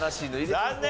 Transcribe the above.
残念。